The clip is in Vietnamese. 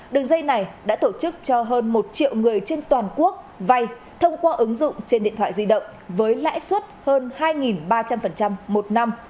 đường dây này đã tổ chức cho hơn một triệu người trên toàn quốc vay thông qua ứng dụng trên điện thoại di động với lãi suất hơn hai ba trăm linh một năm